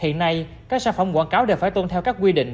hiện nay các sản phẩm quảng cáo đều phải tôn theo các quy định